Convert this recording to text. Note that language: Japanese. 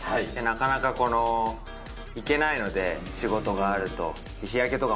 なかなか行けないので、仕事があると。